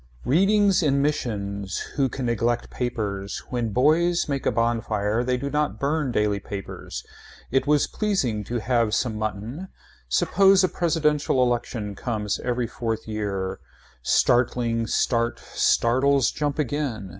Readings in missions. Who can neglect papers. When boys make a bonfire they do not burn daily papers. It was pleasing to have some mutton. Suppose a presidential election comes every fourth year. Startling, start, startles jump again.